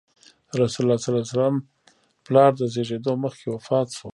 رسول الله ﷺ پلار د زېږېدو مخکې وفات شو.